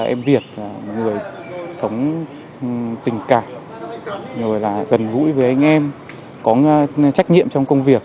em việt là người sống tình cảm rồi là gần gũi với anh em có trách nhiệm trong công việc